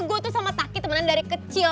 gue tuh sama sakit temenan dari kecil